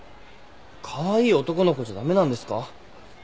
カワイイ男の子じゃ駄目なんですか？